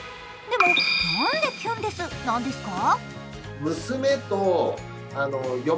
でも、なんでキュンデスなんですか？